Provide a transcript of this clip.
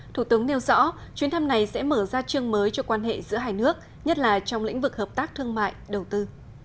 thủ tướng nêu rõ chuyến thăm này sẽ mở ra chương mới cho quan hệ giữa hai nước nhất là trong lĩnh vực hợp tác thương mại đầu tư